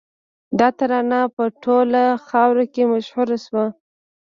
دا ترانه په ټوله خاوره کې مشهوره شوه